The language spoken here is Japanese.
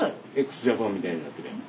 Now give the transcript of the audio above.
ＸＪＡＰＡＮみたいになってるやん。